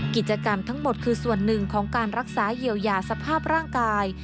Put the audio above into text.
กิจกรรมทั้งหมดคือส่วนหนึ่งของการรักษาเยียวยาสภาพร่างกาย